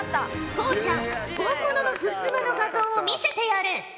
こうちゃん本物のふすまの画像を見せてやれ！